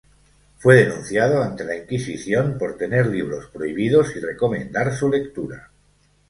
Fue denunciado ante la Inquisición por tener libros prohibidos y recomendar su lectura.